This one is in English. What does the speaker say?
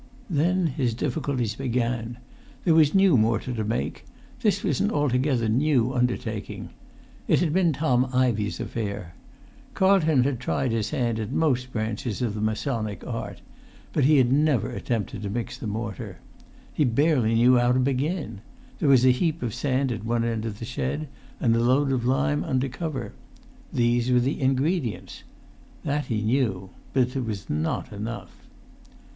Then his difficulties began. There was new mortar to make; this was an altogether new undertaking. It had been Tom Ivey's affair. Carlton had tried his hand at most branches of the masonic art, but he had never at[Pg 187]tempted to mix the mortar. He barely knew how to begin. There was a heap of sand at one end of the shed, and a load of lime under cover. These were the ingredients. That he knew; but it was not enough.